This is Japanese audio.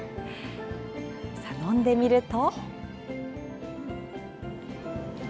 飲んでみると？